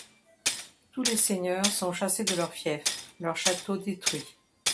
Tous les seigneurs sont chassés de leur fief, leurs châteaux détruits.